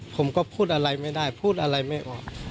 ผมก็พูดอะไรไม่ได้พูดอะไรไม่ออก